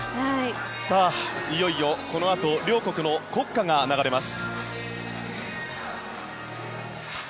いよいよこのあと両国の国歌が流れます。